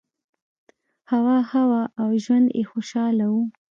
هوا ښه وه او ژوند یې خوشحاله و.